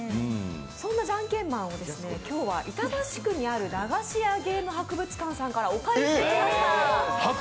そんな「ジャンケンマン」を今日は、板橋区にある駄菓子屋ゲーム博物館さんからお借りしてきました。